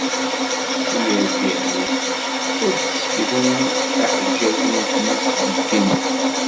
Di yal tiɣilt ad d-sekkden aḥǧaǧǧu n tmes deg yigenni.